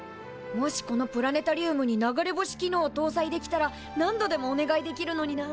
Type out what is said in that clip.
もしこのプラネタリウムに流れ星機能をとうさいできたら何度でもお願いできるのにな。